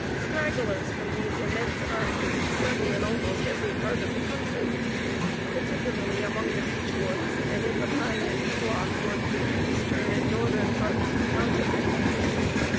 Stragglers from these immense armies settle in almost every part of the country, particularly among the beech woods and in the pine and hemlock woods of the eastern and northern parts of the continent.